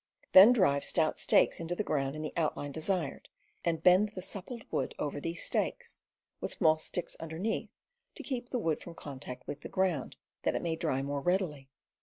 Then drive stout stakes into the ground in the outline desired, and bend the suppled wood over these stakes, with small sticks underneath to keep the wood from contact with the ground, that it may dry more readily.